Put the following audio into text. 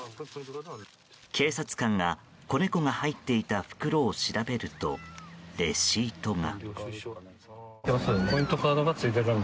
警察官が子猫が入っていた袋を調べるとレシートが。